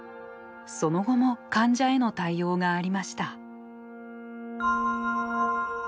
その後も患者への対応がありました。